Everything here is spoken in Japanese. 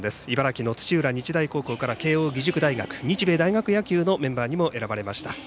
茨城の土浦日大高校慶応義塾大学日米大学野球のメンバーにも選ばれました。